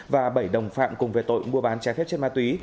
và bảy đồng phạm cùng về tội mua bán trái phép chất ma túy